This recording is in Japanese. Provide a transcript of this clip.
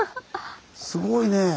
すごいね。